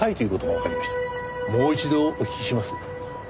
もう一度お聞きします。